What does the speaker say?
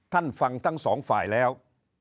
ฟังทั้งสองฝ่ายแล้ว